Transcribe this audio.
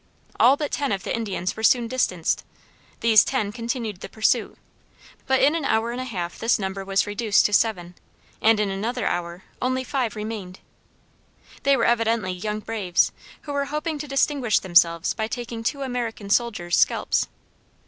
All but ten of the Indians were soon distanced; these ten continued the pursuit, but in an hour and a half this number was reduced to seven, and in another hour only five remained. They were evidently young braves, who were hoping to distinguish themselves by taking two American soldiers' scalps.